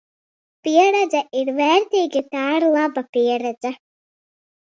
Pieredze ir vērtīga, ja tā ir laba pieredze.